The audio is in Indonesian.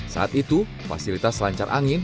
saat itu fasilitas selancar angin